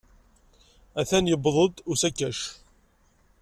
Atan yuweḍ-d usakac.